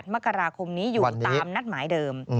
มกราคมนี้อยู่ตามนัดหมายเดิม